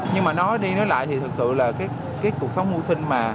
nhưng mà nói đi nói lại thì thực sự là cái cuộc sống mưu sinh mà